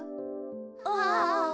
ああ。